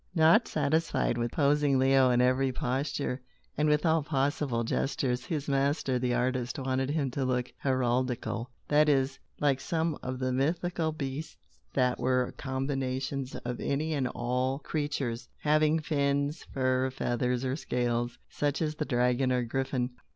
Not satisfied with posing Leo in every posture, and with all possible gestures, his master, the artist, wanted him to look "heraldical"; that is, like some of the mythical beasts that were combinations of any and all creatures having fins, fur, feathers, or scales, such as the dragon or griffin.